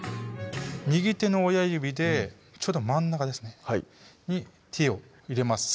右手の親指でちょうど真ん中ですねに手を入れます